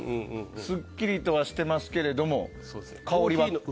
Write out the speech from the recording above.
すっきりとはしてますけれども香りはすごい。